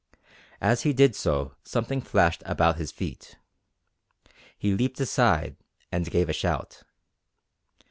As he did so something flashed about his feet. He leaped aside and gave a shout.